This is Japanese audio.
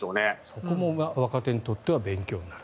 そこも若手にとっては勉強になる。